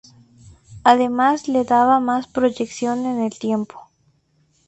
Además le daba más proyección en el tiempo.